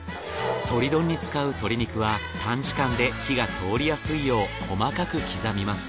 鶏丼に使う鶏肉は短時間で火が通りやすいよう細かく刻みます。